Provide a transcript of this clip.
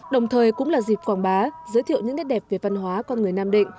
đồng thời cũng là dịp quảng bá giới thiệu những nét đẹp về văn hóa con người nam định